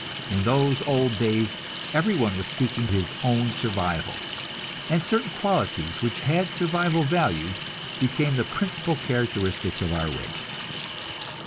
In those old days everyone was seeking his own survival, and certain qualities which had survival value became the principal characteristics of our race.